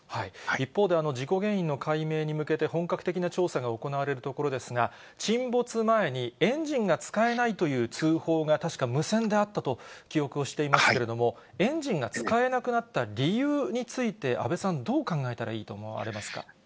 一方で、事故原因の解明に向けて、本格的な調査が行われるところですが、沈没前にエンジンが使えないという通報が、確か無線であったと記憶をしていますけれども、エンジンが使えなくなった理由について、安倍さん、どう考えたらいいと思われますか。